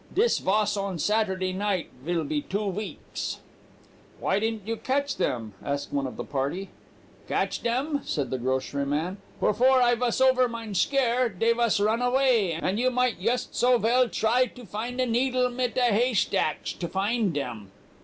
Dis vas on Saturday night vill be two veeks.' "'Why didn't you catch them then?' asked one of the party. "'Ketch dem,' said the grocery man; 'pefore I vas get over mine scare, dey vas run avay, and you might yust so vell try to find a needle mit a hay shtacks as to find dem.